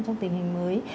trong tình hình mới